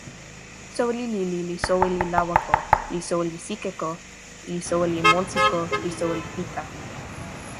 soweli lili li soweli Lawako, li soweli Sikeko, li soweli Monsiko, li soweli Pita.